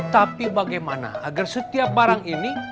tapi bagaimana agar setiap barang ini